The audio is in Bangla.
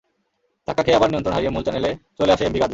ধাক্কা খেয়ে আবার নিয়ন্ত্রণ হারিয়ে মূল চ্যানেলে চলে আসে এমভি গাজী।